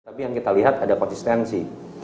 tapi yang kita lihat ada konsistensi